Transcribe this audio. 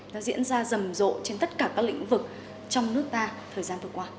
nó diễn ra rầm rộ trên tất cả các lĩnh vực trong nước ta thời gian vừa qua